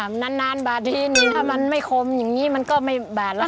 นานบาททีนึงถ้ามันไม่คมอย่างนี้มันก็ไม่บาดแล้ว